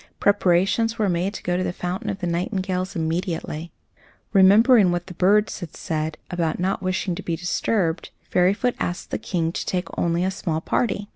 Preparations were made to go to the fountain of the nightingales immediately. Remembering what the birds had said about not wishing to be disturbed, Fairyfoot asked the King to take only a small party.